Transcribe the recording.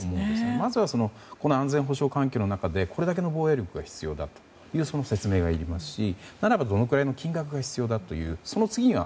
まずはこの安全保障環境の中でこれだけの防衛力が必要だという説明がいりますしならばどのぐらいの金額が必要かと。